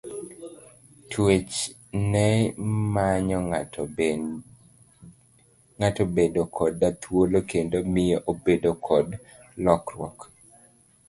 Twech ne manyo ng'ato bedo koda thuolo kendo miyo obedo kod lokruok.